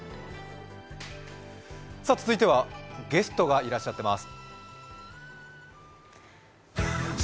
続いてはゲストがいらっしゃってます。